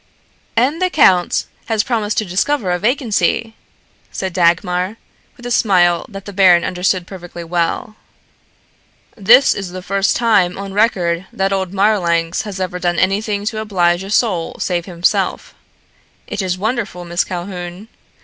"And the count has promised to discover a vacancy," said Dagmar, with a smile that the baron understood perfectly well. "This is the first time on record that old Marlanx has ever done anything to oblige a soul save himself. It is wonderful, Miss Calhoun.